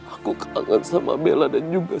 aku kangen sama bella dan juga